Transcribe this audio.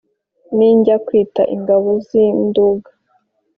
ninjya kwita ingabo z' i nduga